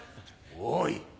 おい！